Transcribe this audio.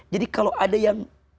jadi kalau ada yang